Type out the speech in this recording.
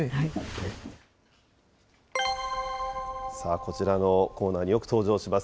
こちらのコーナーによく登場します。